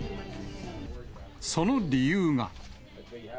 その理由が。